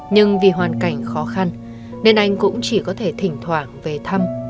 nhưng vì hoàn cảnh khó khăn nên anh cũng chỉ có thể thỉnh thoảng về thăm